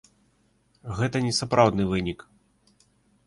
Гэта не сапраўдны вынік.